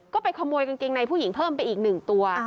ก็ไปขโมยกางเกงในผู้หญิงเพิ่มไปอีก๑ตัว